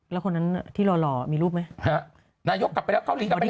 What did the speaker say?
แล้วคนนั้นที่หล่อมีรูปไหม